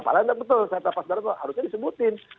padahal betul saya pas baru tahu harusnya disebutin